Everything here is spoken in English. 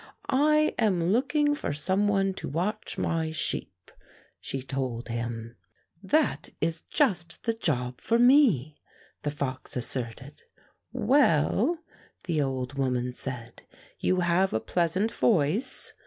^" "I am looking for some one to watch my sheep," she told him. "That is just the job for me," the fox as serted. " Well," the old woman said, " you have a pleasant voice.